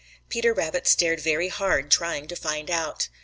Peter Rabbit stared very hard trying to find out.